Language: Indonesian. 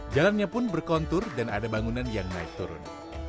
jalannya pun berkontur dan ada bangunan yang naik turun